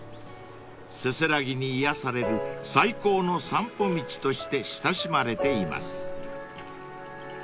［せせらぎに癒やされる最高の散歩道として親しまれています］